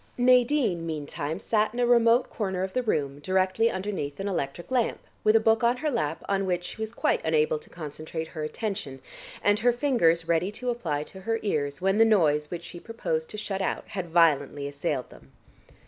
Nadine meantime sat in a remote corner of the room directly underneath an electric lamp, with a book on her lap on which she was quite unable to concentrate her attention, and her fingers ready to apply to her ears when the noise which she proposed to shut out had violently assailed them.